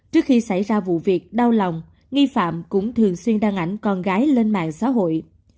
trước khi xảy ra vụ việc đau lòng nghi phạm cũng thường xuyên đăng ảnh con gái lên mạng xã hội